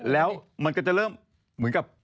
แล้วมันก็จะเริ่มเหมือนกับ